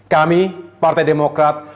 kami partai demokrat